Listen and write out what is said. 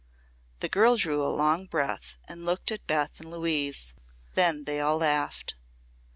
The girl drew a long breath and looked at Beth and Louise. Then they all laughed.